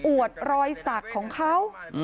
วดรอยสักของเขา